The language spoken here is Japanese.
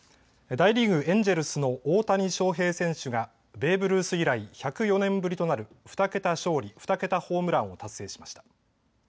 大リーグ、エンジェルスの大谷翔平選手がベーブルース以来１０４年ぶりとなる２桁勝利２桁ホームランを達成しました。